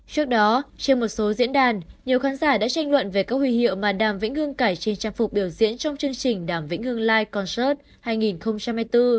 trước đó trên một số diễn đàn nhiều khán giả đã tranh luận về các huy hiệu mà đàm vĩnh hưng cải trên trang phục biểu diễn trong chương trình đàm vĩnh hương lai concert hai nghìn hai mươi bốn